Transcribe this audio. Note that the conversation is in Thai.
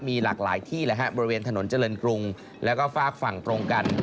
มีหลากหลายที่แหละฮะบริเวณถนนเจริญกรุงแล้วก็ฝากฝั่งตรงกัน